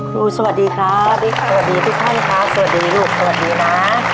สวัสดีครับสวัสดีทุกท่านครับสวัสดีลูกสวัสดีนะ